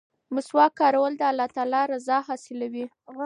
مسواک کارول د الله تعالی رضا حاصلوي.